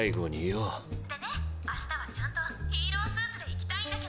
「でね明日はちゃんとヒーロースーツで行きたいんだけど」。